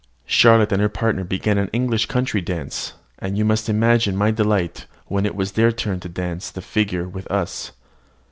Charlotte and her partner began an English country dance, and you must imagine my delight when it was their turn to dance the figure with us.